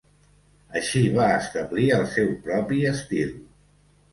Així va establir el seu propi estil.